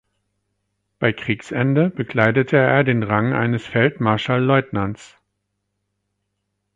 Bei Kriegsende bekleidete er den Rang eines Feldmarschall-Leutnants.